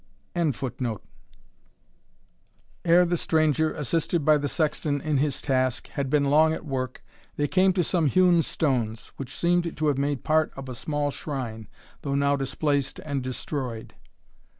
] Ere the stranger, assisted by the sexton in his task, had been long at work, they came to some hewn stones, which seemed to have made part of a small shrine, though now displaced and destroyed.